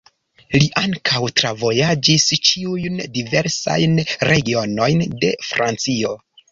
Li ankaŭ travojaĝis ĉiujn diversajn regionojn de Francio.